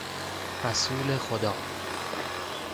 رسول خدا